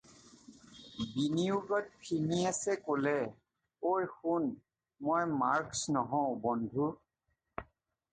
"বিনিয়োগত ফিনিয়েচে ক'লে- "এই শুন, মই মাৰ্ক্স নহওঁ, বন্ধু।"